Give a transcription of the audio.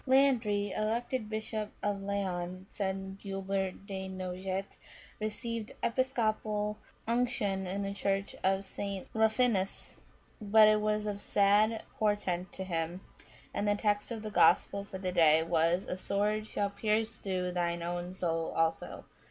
" Landri, elected bishop of Laon," says Guibert de Nogent, " received episcopal unction in the Church of St. Ruffinus ; but it was of sad portent to him, that the text of the Gospel for the day was, *A sword shall pierce through thine own soul also.'"